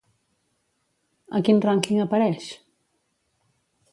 A quin rànquing apareix?